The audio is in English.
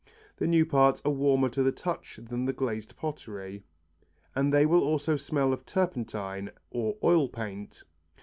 The new parts are warmer to the touch than the glazed pottery, and they will also smell of turpentine or oil paint.